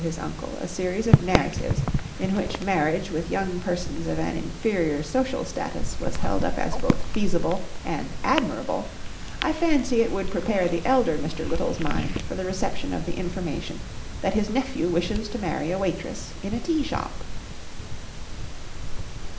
I should certainly recommend the scheme, uncle a series of narratives in which marriage with young persons of an inferior social status was held up as both feasible and admirable, I fancy it would prepare the elder Mr. Little s mind for the reception of the information that his nephew wishes to marry a waitress in a tea shop.